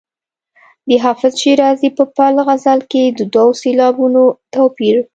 د حافظ شیرازي په بل غزل کې د دوو سېلابونو توپیر.